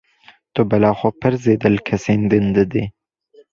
Tu bela xwe pir zêde li kesên din didî.